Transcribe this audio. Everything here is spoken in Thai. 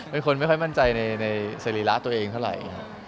เป็นคนไม่ค่อยมั่นใจในสรีระตัวเองเท่าไหร่ครับ